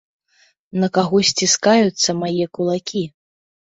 На каго сціскаюцца мае кулакі.